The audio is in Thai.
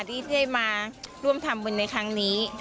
ที่ได้มาร่วมทำบุญในครั้งนี้